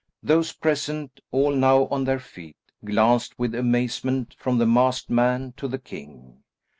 Those present, all now on their feet, glanced with amazement from the masked man to the king.